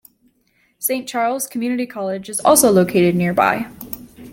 Saint Charles Community College is also located nearby.